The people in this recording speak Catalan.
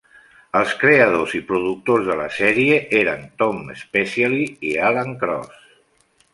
Els creadors i productors de la sèrie eren Tom Spezialy i Alan Cross.